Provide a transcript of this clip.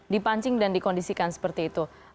dipancing dan dikondisikan seperti itu